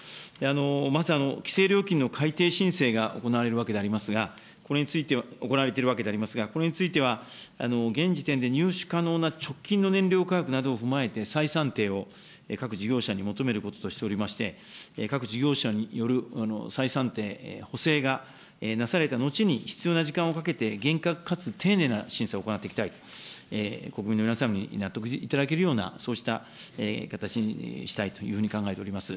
まず規制料金の改定申請が行われるわけでありますが、行われているわけでありますが、これについては、現時点で入手可能な直近の燃料価格などを踏まえて再算定を各事業者に求めることとしておりまして、各事業者による再算定、補正がなされた後に必要な時間をかけて、厳格かつ丁寧な審査を行っていきたい、国民の皆さんに納得いただけるようなそうした形にしたいというふうに考えております。